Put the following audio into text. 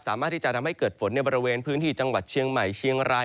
สามารถที่จะทำให้เกิดฝนในบริเวณพื้นที่จังหวัดเชียงใหม่เชียงราย